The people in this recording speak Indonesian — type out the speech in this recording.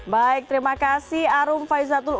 baik terima kasih arum faizatul u